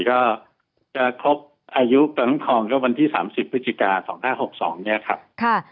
เข้าในอายุหลังกองวันที่๓๐ปฏิกา๒๕๖๒